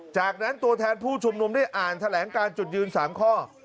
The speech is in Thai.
จากนั้นตัวแทนผู้ชุมนุมได้อ่านแถลงการจุดยืน๓ข้อ